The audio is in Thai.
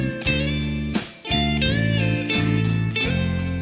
ครับมีแฟนเขาเรียกร้อง